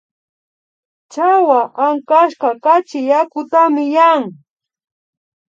Chawa ankaska kachi yakutami yan